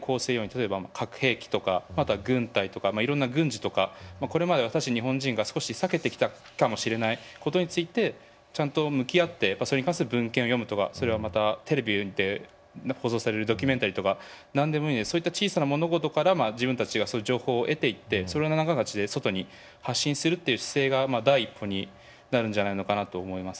例えば核兵器とかあとは軍隊とかいろんな軍事とかこれまで私たち日本人が少し避けてきたかもしれないことについてちゃんと向き合ってそれに関する文献を読むとかそれはまたテレビで放送されるドキュメンタリーとか何でもいいのでそういった小さな物事から自分たちがそういう情報を得ていってそのような形で外に発信するっていう姿勢が第一歩になるんじゃないのかなと思います。